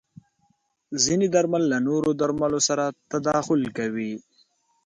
ځینې درمل له نورو درملو سره تداخل کوي.